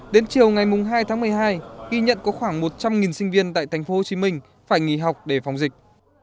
đến chiều ngày hai tháng một mươi hai ghi nhận có khoảng một trăm linh sinh viên tại tp hcm phải nghỉ học để phòng dịch